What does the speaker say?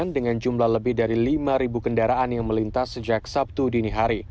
dengan jumlah lebih dari lima kendaraan yang melintas sejak sabtu dini hari